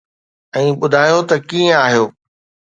۽ ٻڌايو ته ڪيئن آهيو؟